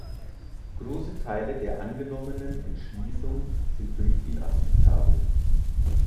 Große Teile der angenommenen Entschließung sind für mich inakzeptabel.